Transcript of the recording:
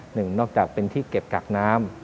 หนึ่งนอกจากเป็นที่เก็บกักน้ำ